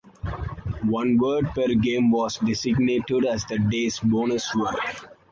One word per game was designated as the day's bonus word.